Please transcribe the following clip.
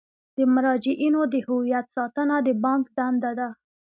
د مراجعینو د هویت ساتنه د بانک دنده ده.